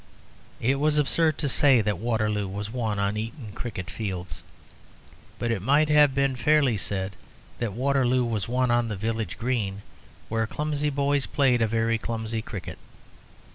It was absurd to say that Waterloo was won on Eton cricket fields. But it might have been fairly said that Waterloo was won on the village green, where clumsy boys played a very clumsy cricket.